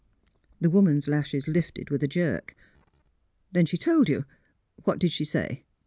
The woman's lashes lifted with a jerk. '' Then she told you What did she say?